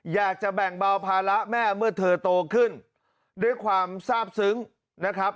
อยากจะแบ่งเบาภาระแม่เมื่อเธอโตขึ้นด้วยความทราบซึ้งนะครับ